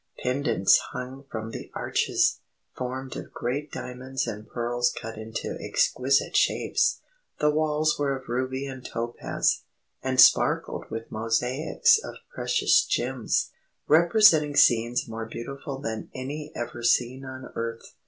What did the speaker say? Pendants hung from the arches, formed of great diamonds and pearls cut into exquisite shapes. The walls were of ruby and topaz, and sparkled with mosaics of precious gems, representing scenes more beautiful than any ever seen on earth.